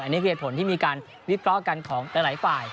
อันนี้คือเหตุผลที่มีการวิเคราะห์กันของหลายฝ่าย